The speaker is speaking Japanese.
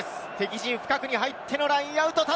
敵陣深くに入ってのラインアウト。